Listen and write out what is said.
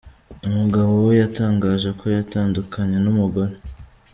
Umugabo we yatangaje ko yatandukaye n’umugore.